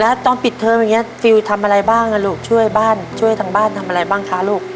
แล้วตอนปิดเทอมอย่างนี้ฟิลทำอะไรบ้างอ่ะลูกช่วยบ้านช่วยทางบ้านทำอะไรบ้างคะลูก